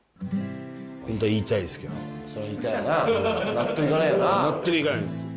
納得いかないよな。